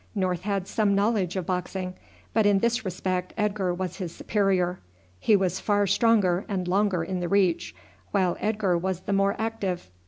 North had some knowledge of boxing, but in this respect Edgar was his superior. He was far stronger and longer in the reach, while Edgar was the more active.